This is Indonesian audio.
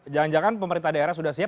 jangan jangan pemerintah daerah sudah siap